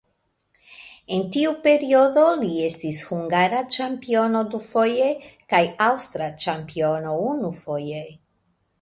En tiu periodo li estis hungara ĉampiono dufoje kaj aŭstra ĉampiono unufoje.